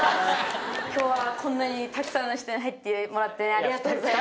今日はこんなにたくさんの人に入ってもらってありがとうございます。